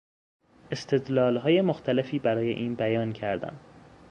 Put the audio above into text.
استدلالهای مختلفی برای این بیان کردم.